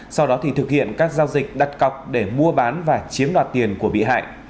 sau đó thì thực hiện các giao dịch đặt cọc để mua bán và chiếm đoạt tiền của bị hại